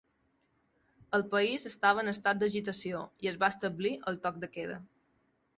El país estava en estat d'agitació i es va establir el toc de queda.